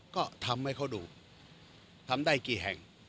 ก็ทำให้เขาดูทำได้กี่แห่ง